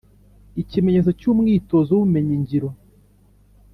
Ikimenyetso cy’umwitozo w’ubumenyingiro.